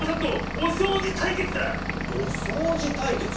おそうじたいけつ？